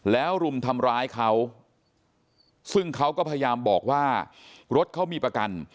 แล้วรุมทำร้ายเขาซึ่งเขาก็พยายามบอกว่ารถเขามีประกัน